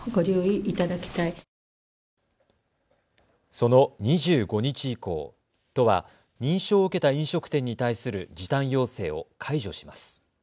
その２５日以降、都は認証を受けた飲食店に対する時短要請を解除します。